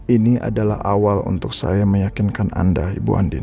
ini adalah awal untuk saya meyakinkan anda ibu andi